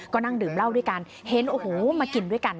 ก็นั่งดื่มเหล้าด้วยกันเห็นโอ้โหมากินด้วยกัน